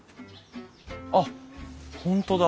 あっ本当だ。